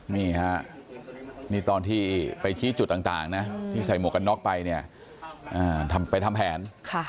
นี่ฮะนี่ตอนที่ไปชี้จุดต่างนะที่ใส่หมวกกันน็อกไปเนี่ยไปทำแผน